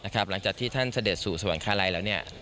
หลังจากที่ท่านเสด็จสู่สวรรคาลัยแล้ว